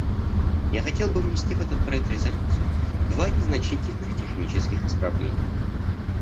Я хотел бы внести в этот проект резолюции два незначительных технических исправления.